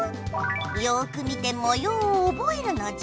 よく見てもようをおぼえるのじゃ。